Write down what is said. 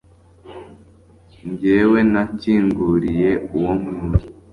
jyewe nakinguriye uwo nkunda